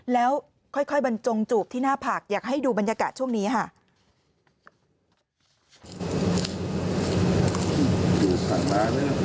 แล้วค่อยบรรจงจูบที่หน้าผักอยากให้ดูบรรยากาศช่วงนี้ค่ะ